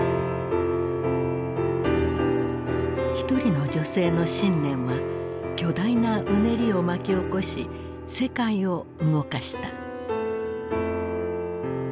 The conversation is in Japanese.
一人の女性の信念は巨大なうねりを巻き起こし世界を動かした。